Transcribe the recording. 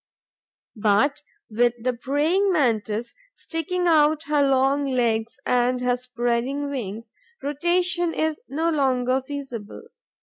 But with the Praying Mantis, sticking out her long legs and her spreading wings, rotation is no longer feasible.